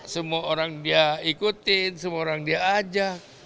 semua orang dia ikutin semua orang dia ajak